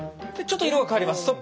ちょっと色が変わります。